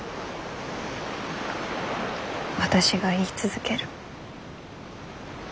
私が言い続ける。